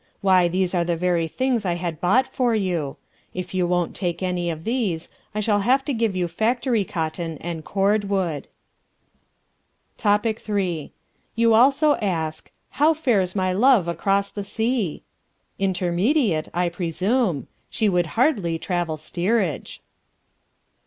Why, these are the very things I had bought for you. If you won't take any of these, I shall have to give you factory cotton and cordwood. Topic III. You also ask, "How fares my love across the sea?" Intermediate, I presume. She would hardly travel steerage.